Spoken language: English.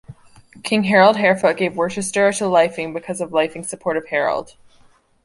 King Harold Harefoot gave Worcester to Lyfing because of Lyfing's support of Harold.